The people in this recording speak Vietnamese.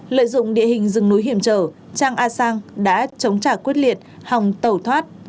lợi dụng địa hình rừng núi hiểm trở trang a sang đã chống trả quyết liệt hòng tẩu thoát